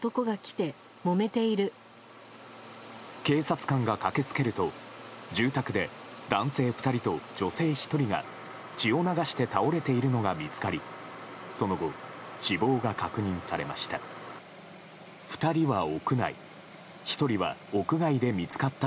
警察官が駆け付けると住宅で、男性２人と女性１人が、血を流して倒れているのが見つかりその後、死亡が確認されました。